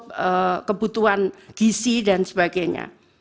juga menutup kebutuhan gisi dan sebagainya